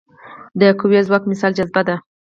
د قوي ځواک مثال جاذبه ده.